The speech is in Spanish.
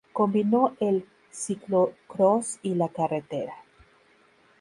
Combinó el Ciclocross y la carretera.